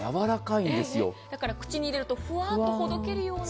だから口に入れるとふわっとほどけるような。